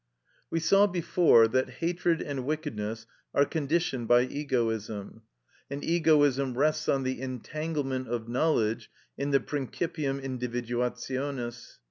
We saw before that hatred and wickedness are conditioned by egoism, and egoism rests on the entanglement of knowledge in the principium individuationis.